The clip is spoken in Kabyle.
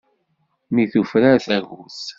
Mi tufrar tagut.